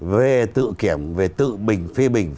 về tự kiểm về tự mình phê bình